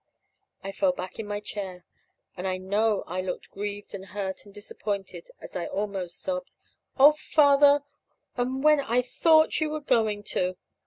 I fell back in my chair, and I know I looked grieved and hurt and disappointed, as I almost sobbed: "Oh, Father, and when I thought you were going to!"